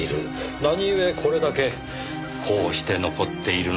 何ゆえこれだけこうして残っているのか。